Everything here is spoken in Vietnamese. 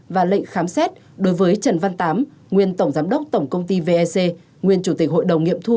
và lệnh khám xét đối với trần văn tám nguyên tổng giám đốc tổng công ty vec nguyên chủ tịch hội đồng nghiệm thu